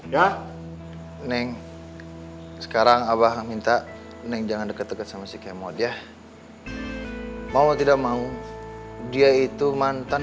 ya neng sekarang abah minta neng jangan deket deket sama si kemode ya mau tidak mau dia itu mantan